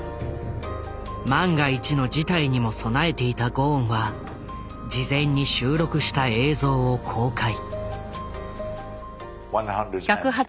万が一の事態にも備えていたゴーンは事前に収録した映像を公開。